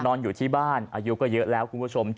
นอนอยู่ที่บ้านอายุก็เยอะแล้วคุณผู้ชม